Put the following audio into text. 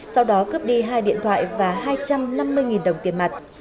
sau đó cướp đi hai điện thoại và hai trăm năm mươi đồng tiền mặt